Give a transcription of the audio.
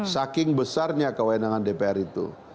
saking besarnya kewenangan dpr itu